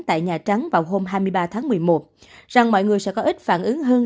tại nhà trắng vào hôm hai mươi ba tháng một mươi một rằng mọi người sẽ có ít phản ứng hơn